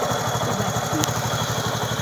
Cubati